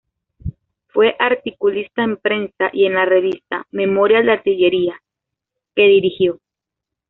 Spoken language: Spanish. Fue articulista en prensa y en la revista "Memorial de Artillería", que dirigió.